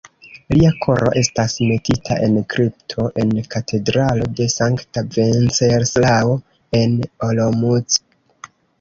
Lia koro estas metita en kripto en Katedralo de sankta Venceslao en Olomouc.